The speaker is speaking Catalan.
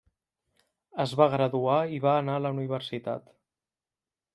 Es va graduar i va anar a la universitat.